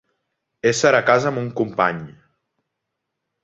Ésser a casa amb un company.